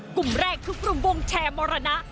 กลุ่มแรกคือกลุ่มวงแชร์มรณะ